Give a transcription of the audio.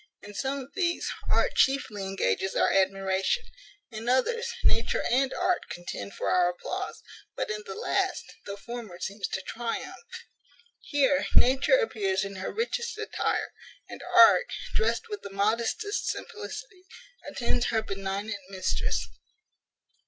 In some of these, art chiefly engages our admiration; in others, nature and art contend for our applause; but, in the last, the former seems to triumph. Here Nature appears in her richest attire, and Art, dressed with the modestest simplicity, attends her benignant mistress.